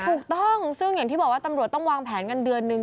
ถูกต้องซึ่งอย่างที่บอกว่าตำรวจต้องวางแผนกันเดือนนึง